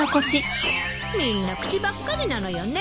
みんな口ばっかりなのよね。